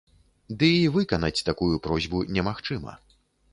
Ды і выканаць такую просьбу немагчыма.